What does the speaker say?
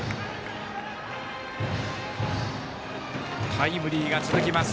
タイムリーが続きます。